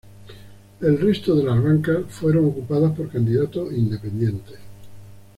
El resto de las bancas fueron ocupadas por candidatos independientes.